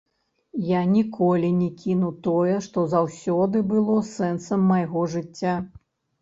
Я ніколі не кіну тое, што заўсёды было сэнсам майго жыцця.